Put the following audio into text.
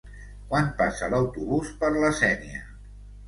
Quan passa l'autobús per la Sénia?